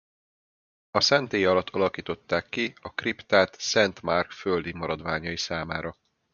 A szentély alatt alakították ki a kriptát Szent Márk földi maradványai számára.